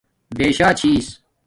بِشݳچھس